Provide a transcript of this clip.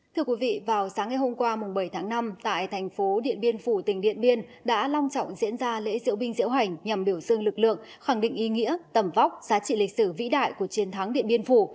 thưa quý vị vào sáng ngày hôm qua bảy tháng năm tại thành phố điện biên phủ tỉnh điện biên đã long trọng diễn ra lễ diễu binh diễu hành nhằm biểu dương lực lượng khẳng định ý nghĩa tầm vóc giá trị lịch sử vĩ đại của chiến thắng điện biên phủ